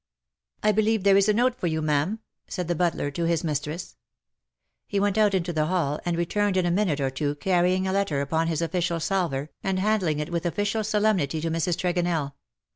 " I believe there is a note for you, ma'am/' said the butler to his mistress. He went out into the hall, and returned in a minute or two carrying a letter upon his official salver, and handing it with official solemnity to Mrs. Tregonell.